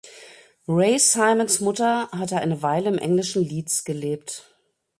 Ray Simons Mutter hatte eine Weile im englischen Leeds gelebt.